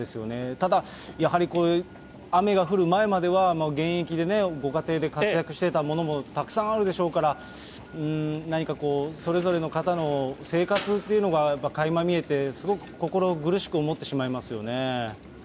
ただやはり雨が降る前までは、現役でね、ご家庭で活躍していたものもたくさんあるでしょうから、何かこう、それぞれの方の生活というのがかいま見えて、すごく心苦しく思ってしまいますよね。